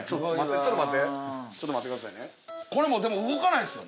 ちょっと待ってちょっと待ってくださいね。